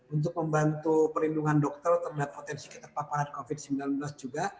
untuk membantu perlindungan dokter terhadap potensi keterpaparan covid sembilan belas juga